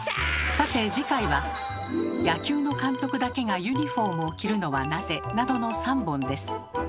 さて次回は「野球の監督だけがユニフォームを着るのはなぜ？」などの３本です。